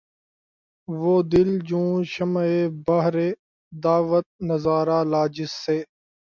وہ دل جوں شمعِ بہرِ دعوت نظارہ لا‘ جس سے